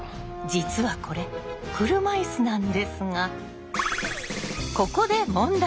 実はこれ車いすなんですがここで問題。